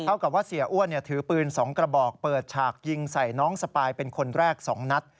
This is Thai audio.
กับว่าเสียอ้วนถือปืน๒กระบอกเปิดฉากยิงใส่น้องสปายเป็นคนแรก๒นัด